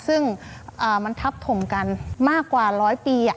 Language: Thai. ซึ่งมันทับถมกันมากกว่าร้อยปี